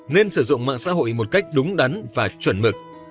nên sử dụng mạng xã hội một cách đúng đắn và chuẩn mực